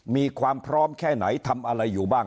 มีความพร้อมแค่ไหนทำอะไรอยู่บ้าง